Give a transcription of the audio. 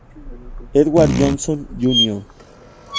Edward Johnson, Jr.